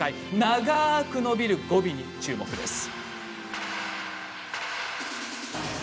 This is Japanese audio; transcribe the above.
長く伸びる語尾に注目です。